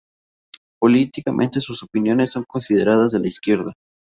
Políticamente sus opiniones son consideradas de la izquierda.